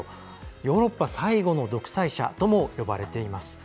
ヨーロッパ最後の独裁者とも呼ばれています。